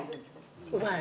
うまい？